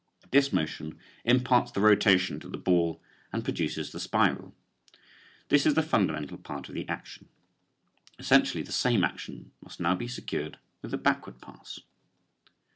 This motion imparts the rotation to the ball and produces the spiral. This is the fundamental part of the action. Essentially the same action must now be secured with a backward pass.